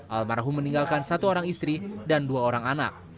almarhum meninggalkan satu orang istri dan dua orang anak